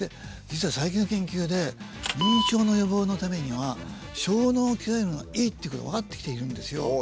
実は最近の研究で認知症の予防のためには小脳を鍛えるのがいいっていうことが分かってきているんですよ。